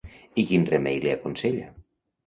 I quin remei li aconsella?